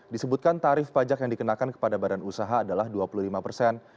disebutkan tarif pajak yang dikenakan kepada badan usaha adalah dua puluh lima persen